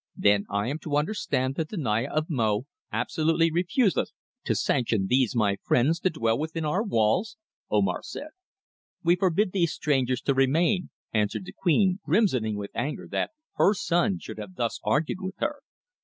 "Then I am to understand that the Naya of Mo absolutely refuseth to sanction these my friends to dwell within our walls?" Omar said. "We forbid these strangers to remain," answered the Queen, crimsoning with anger that her son should have thus argued with her.